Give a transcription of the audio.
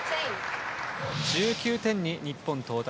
１９点に日本、到達。